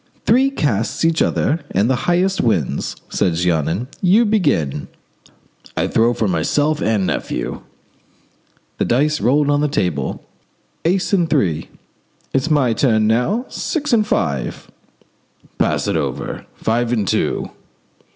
"Three casts each and the highest wins," said Jeannin. "You begin." "I throw for myself and nephew." The dice rolled on the table. "Ace and three." "It's my turn now. Six and five." "Pass it over. Five and two."